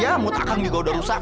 iya mutakang juga udah rusak